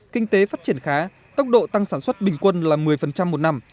kinh tế phát triển khá tốc độ tăng sản xuất bình quân là một mươi một năm